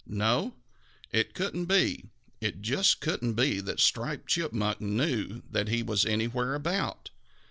No, it couldn't be, it just couldn't be that Striped Chipmunk knew that he was anywhere about.